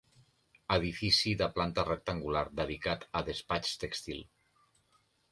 Edifici de planta rectangular dedicat a despatx tèxtil.